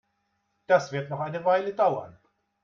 Das wird noch eine Weile dauern.